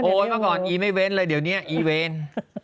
โอ๊ยเมื่อก่อนอีไม่เว้นต์เลยเดี๋ยวนี้อีเวนต์